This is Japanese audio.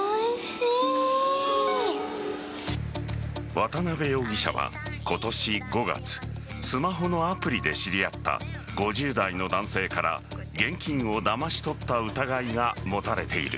渡辺容疑者は今年５月スマホのアプリで知り合った５０代の男性から現金をだまし取った疑いが持たれている。